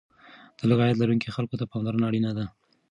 د لږ عاید لرونکو خلکو ته پاملرنه اړینه ده.